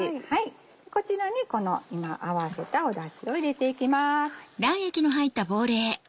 こちらに今合わせただしを入れていきます。